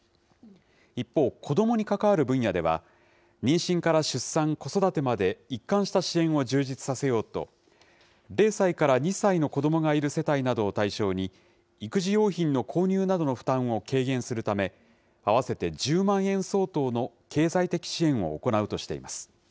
一方、子どもに関わる分野では、妊娠から出産、子育てまで、一貫した支援を充実させようと、０歳から２歳の子どもがいる世帯などを対象に、育児用品の購入などの負担を軽減するため、合わせて１０万円相当の経済的支援を行うとしています。